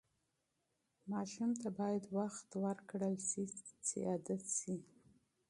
ماشوم ته باید وخت ورکړل شي چې عادت شي.